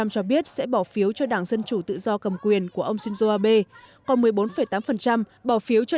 cho biết sẽ bỏ phiếu cho đảng dân chủ tự do cầm quyền của ông shinzo abe còn một mươi bốn tám bỏ phiếu cho